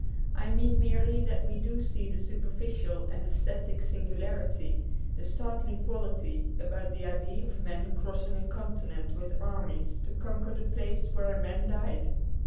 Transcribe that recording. I mean merely that we do see the superficial and aesthetic singularity, the startling quality, about the idea of men crossing a continent with armies to conquer the place where a man died.